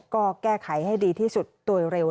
ก็แก้ไขให้ดีที่สุดโดยเร็ว